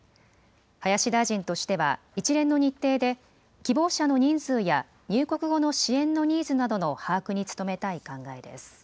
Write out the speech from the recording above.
林大臣としては一連の日程で希望者の人数や入国後の支援のニーズなどの把握に努めたい考えです。